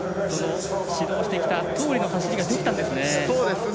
指導してきたとおりの走りができたんですね。